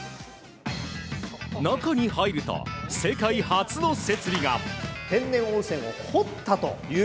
中に入ると世界初の設備が。